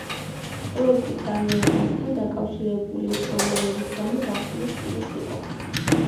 პროექტი წარმოებასთან დაკავშირებული პრობლემების გამო დახურვის პირას იყო.